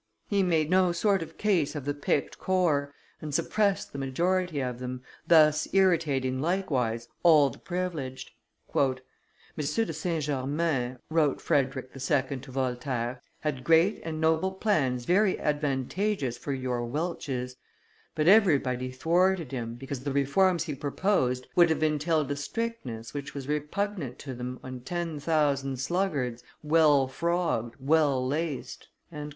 He made no sort of case of the picked corps and suppressed the majority of them, thus irritating, likewise, all the privileged. "M. de St. Germain," wrote Frederick II. to Voltaire, "had great and noble plans very advantageous for your Welches; but everybody thwarted him, because the reforms he proposed would have entailed a strictness which was repugnant to them on ten thousand sluggards, well frogged, well laced."